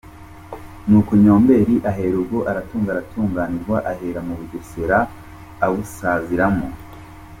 Nuko Nyombeli ahera ubwo aratunga aratunganirwa, ahera mu Bugesera, abusaziramo.